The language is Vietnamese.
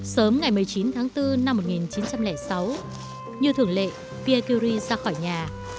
sớm ngày một mươi chín tháng bốn năm một nghìn chín trăm linh sáu như thường lệ pierguri ra khỏi nhà